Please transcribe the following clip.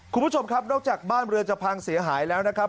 คุณผู้ชมครับนอกจากบ้านเรือจะพังเสียหายแล้วนะครับ